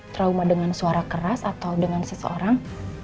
trauma dengan suara keras atau dengan seseorang